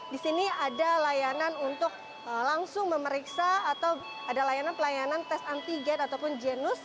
di sini ada layanan untuk langsung memeriksa atau ada layanan pelayanan tes antigen ataupun jenus